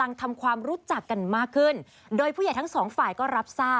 ก็คุยกันอยู่ครับผม